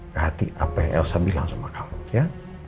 ke hati apa yang elsa bilang sama kamu ya